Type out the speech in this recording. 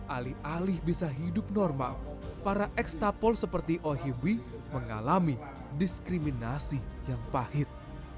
alih alih bisa hidup normal para ekstapol seperti ohibwi mengalami diskriminasi yang pahit